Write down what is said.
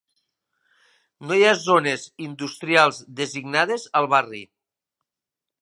No hi ha zones industrials designades al barri.